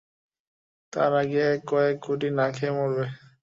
তার আগে কয়েক কোটি না খেয়ে মরবে।